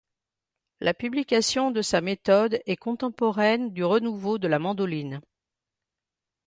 La publication de sa méthode est contemporaine du renouveau de la mandoline.